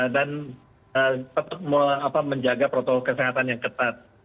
dan tetap menjaga protokol kesehatan yang ketat